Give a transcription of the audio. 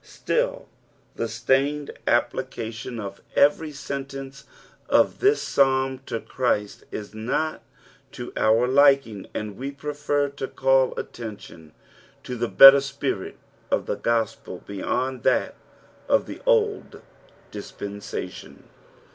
Still the strained application ot every sentence of this Psalin to Christ is not to our liking, and we prefer to call attention to the better spirit of the gospel beyond that of the old dispensation.